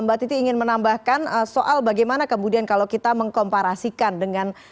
mbak titi ingin menambahkan soal bagaimana kemudian kalau kita mengkomparasikan dengan